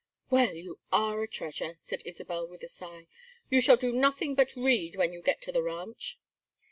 "Well, you are a treasure," said Isabel, with a sigh. "You shall do nothing but read when you get to the ranch."